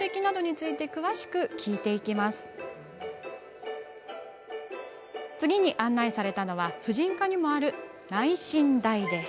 続いて案内されたのは婦人科にもある内診台です。